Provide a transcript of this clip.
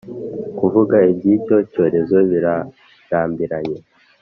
kuvuga iby icyo cyorezo birarambiranye